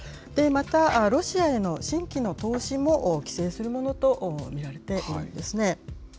また、ロシアへの新規の投資も規制するものと見られているんですね。